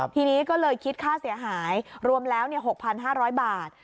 ทีนี้ก็เลยคิดค่าเสียหายรวมแล้ว๖๕๐๐บาท